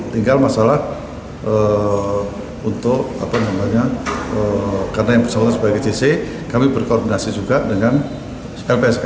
tinggal masalah untuk apa namanya karena yang bersangkutan sebagai jc kami berkoordinasi juga dengan lpsk